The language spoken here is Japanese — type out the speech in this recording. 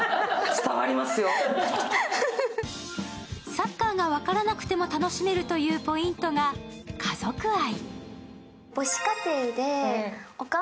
サッカーを知らなくても楽しめるポイントが家族愛。